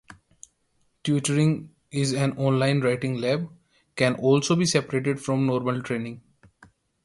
Tutoring in an Online Writing Lab can also be separated from normal training.